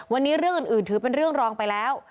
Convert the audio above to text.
วันนี้เรื่องอื่นถือเป็นเรื่องรองไปแล้ว